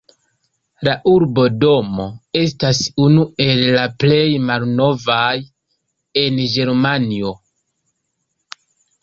La urbodomo estas unu el la plej malnovaj en Germanio.